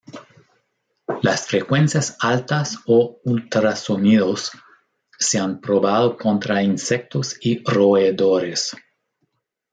Las frecuencias altas o ultrasonidos se han probado contra insectos y roedores.